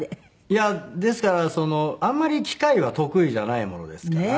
いやですからそのあんまり機械は得意じゃないものですから。